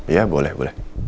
iya boleh boleh